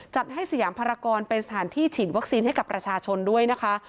จัดให้สยามภารกรเป็นสถานที่ฉีดวัคซีนให้กับประชาชนด้วยนะคะ